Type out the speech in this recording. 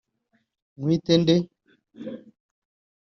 nkwite nde